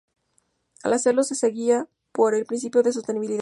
Al hacerlo, se guían por el principio de sostenibilidad.